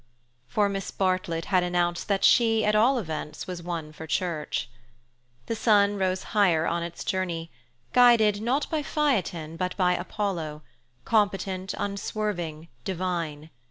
For Miss Bartlett had announced that she at all events was one for church. The sun rose higher on its journey, guided, not by Phaethon, but by Apollo, competent, unswerving, divine.